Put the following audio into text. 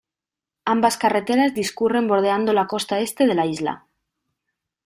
Ambas carreteras discurren bordeando la costa este de la isla.